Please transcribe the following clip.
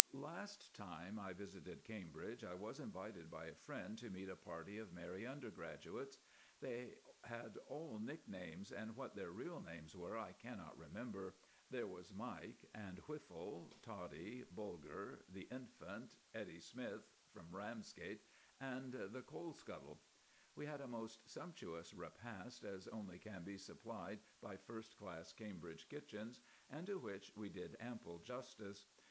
Last time I visited Cambridge I was invited by a friend to meet a party of merry undergraduates. They had all nicknames, and what their real names were I cannot remember. There was Mike, and Whiffle, Toddie, Bulger, the Infant, Eddie Smith from Ramsgate, and the Coal Scuttle. We had a most sumptuous repast, as only can be supplied by first class Cambridge kitchens, and to which we did ample justice.